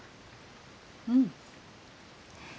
うん。